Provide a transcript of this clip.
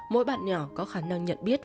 mỗi bạn nhỏ có khả năng nhận biết